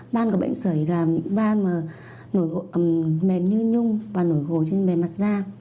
ban của bệnh sởi là những ban mà mềm như nhung và nổi gồm trên bề mặt da